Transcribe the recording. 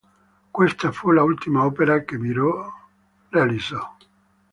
Questa fu l'ultima opera che Miró realizzò.